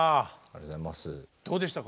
どうでしたか？